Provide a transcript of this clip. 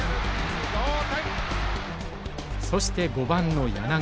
そして５番の柳川。